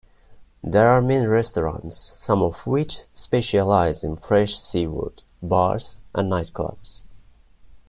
There are many restaurants, some of which specialize in fresh seafood, bars and nightclubs.